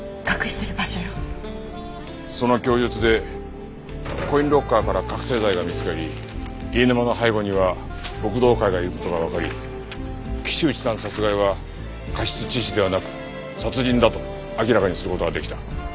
その供述でコインロッカーから覚せい剤が見つかり飯沼の背後には六道会がいる事がわかり岸内さん殺害は過失致死ではなく殺人だと明らかにする事ができた。